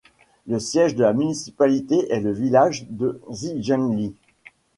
Le siège de la municipalité est le village de Zijemlje.